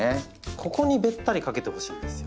ここにべったりかけてほしいんですよ。